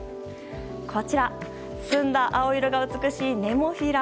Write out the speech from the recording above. こちら、澄んだ青色が美しいネモフィラ。